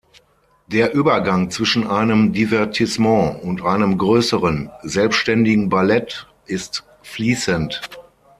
Der Übergang zwischen einem Divertissement und einem größeren, selbständigen Ballett ist fließend.